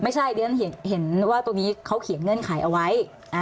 ไม่ใช่เรียนเห็นว่าตรงนี้เขาเขียนเงื่อนไขเอาไว้